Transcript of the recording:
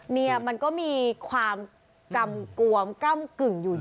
เนี่ยมันก็มีความกำกวมกำกึ่งอยู่